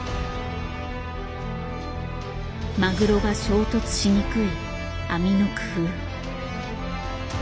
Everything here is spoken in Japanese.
マグロが衝突しにくい網の工夫。